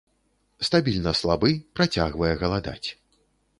Стабільна слабы, працягвае галадаць.